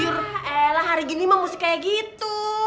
ya elah hari gini mah mesti kaya gitu